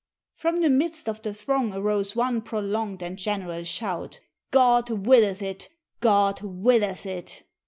From the midst of the throng arose one prolonged and general shout, "God willeth it! God willeth it!"